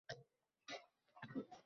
Hech bir davr